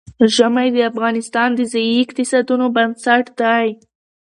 ژمی د افغانستان د ځایي اقتصادونو بنسټ دی.